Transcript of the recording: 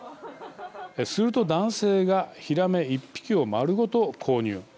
すると男性がひらめ１匹を丸ごと購入。